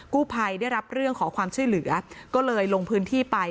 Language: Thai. ภัยได้รับเรื่องขอความช่วยเหลือก็เลยลงพื้นที่ไป